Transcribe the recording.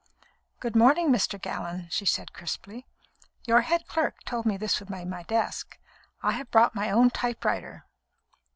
"Good morning, Mr. Gallon," she said crisply. "Your head clerk told me this would be my desk. I have brought my own typewriter.